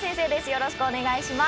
よろしくお願いします。